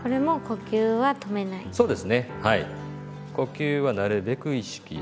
呼吸はなるべく意識。